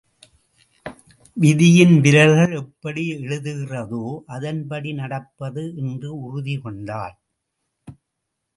விதியின் விரல்கள் எப்படி எழுதுகிறதோ அதன்படி நடப்பது என்று உறுதி கொண்டாள்.